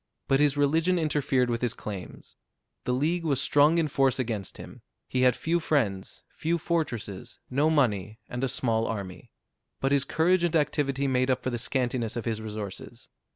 But his religion interfered with his claims. The League was strong in force against him: he had few friends, few fortresses, no money, and a small army. But his courage and activity made up for the scantiness of his resources.